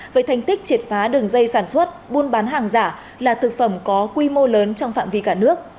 với thành tích triệt phá đường dây sản xuất buôn bán hàng giả là thực phẩm có quy mô lớn trong phạm vi cả nước